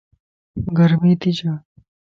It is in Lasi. گرمي تي ڇَ